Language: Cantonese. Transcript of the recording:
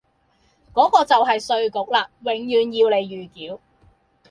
嗰個就系稅局啦，永遠要你預繳。